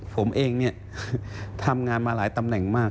ผมเองเนี่ยทำงานมาหลายตำแหน่งมาก